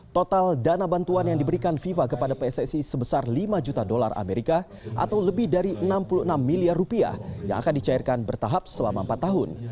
total dana bantuan yang diberikan fifa kepada pssi sebesar lima juta dolar amerika atau lebih dari enam puluh enam miliar rupiah yang akan dicairkan bertahap selama empat tahun